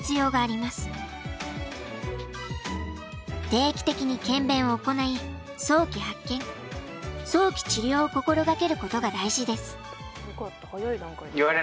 定期的に検便を行い早期発見早期治療を心掛けることが大事です。